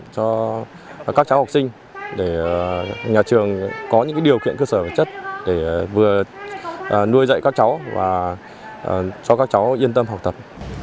cho các cháu học sinh để nhà trường có những điều kiện cơ sở vật chất để vừa nuôi dạy các cháu và cho các cháu yên tâm học tập